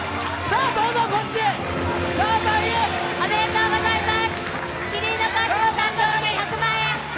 ありがとうございます！